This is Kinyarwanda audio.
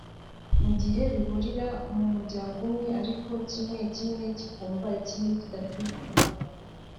mu gihe bihurira mu muryango umwe ariko kimwe kimwe kikumva ikindi kidakwiye kuhaba